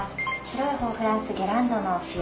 白いほうフランスゲランドのお塩。